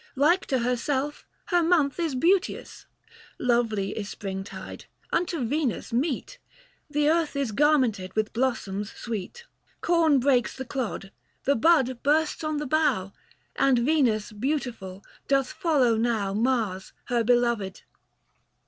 Like to herself — her month is beauteous. Lovely is springtide, unto Venus meet — The earth is garmented with blossoms sweet. 140 Corn breaks the clod, the bud bursts on the bough, And Venus beautiful, doth follow now Mars her beloved.